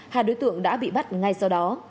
hai đối tượng đã bị bắt ngay sau đó